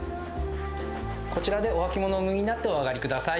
こちらでお履き物をお脱ぎになってお上がりください。